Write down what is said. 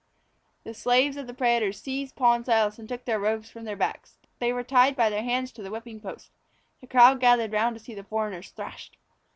The slaves of the prætors seized Paul and Silas and took their robes from their backs. They were tied by their hands to the whipping post. The crowd gathered round to see the foreigners thrashed.